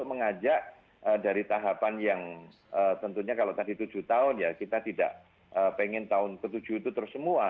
mengajak dari tahapan yang tentunya kalau tadi tujuh tahun ya kita tidak pengen tahun ke tujuh itu terus semua